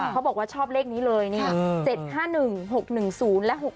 เขาบอกว่าชอบเลขนี้เลยนี่๗๕๑๖๑๐และ๖๑